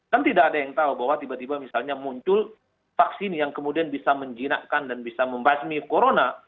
kan tidak ada yang tahu bahwa tiba tiba misalnya muncul vaksin yang kemudian bisa menjinakkan dan bisa membasmi corona